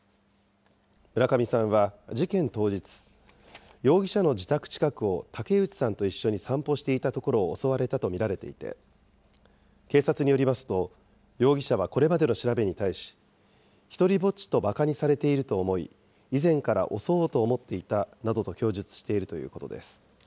村上さんは事件当日、容疑者の自宅近くを竹内さんと一緒に散歩していたところを襲われたと見られていて、警察によりますと、容疑者はこれまでの調べに対し、独りぼっちとばかにされていると思い、以前から襲おうと思っていたなどと供述しているということです。